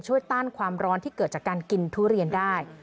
ต้านความร้อนที่เกิดจากการกินทุเรียนได้